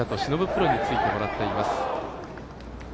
プロについてもらっています。